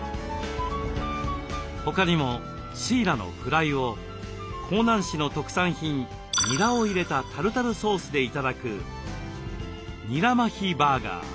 他にもシイラのフライを香南市の特産品ニラを入れたタルタルソースで頂く「ニラマヒバーガー」。